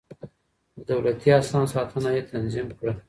د دولتي اسنادو ساتنه يې تنظيم کړه.